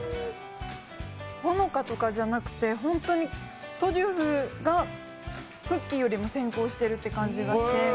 ほのかとかじゃなくて本当にトリュフがクッキーよりも先行しているっていう感じですね。